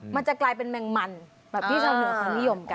มันจะกลายเป็นแมงมันแบบที่ชาวเหนือเขานิยมกัน